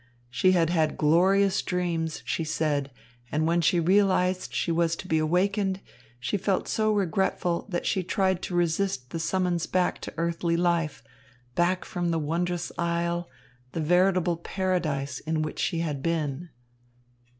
She had had glorious dreams, she said, and when she realised she was to be awakened, had felt so regretful that she tried to resist the summons back to earthly life, back from the wondrous isle, the veritable paradise, in which she had been.